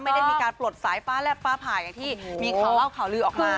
ไม่ได้มีการปลดสายฟ้าแลบฟ้าผ่าอย่างที่มีข่าวเล่าข่าวลือออกมา